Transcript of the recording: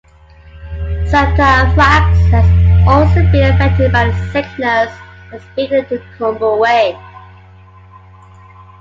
Sanctaphrax has also been affected by the sickness, and is beginning to crumble away.